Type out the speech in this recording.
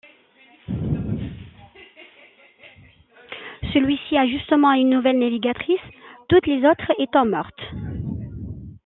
Celui-ci a justement une nouvelle navigatrice, toutes les autres étant mortes.